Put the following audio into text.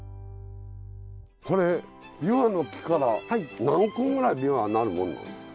これびわの木から何個ぐらいびわなるもんなんですか？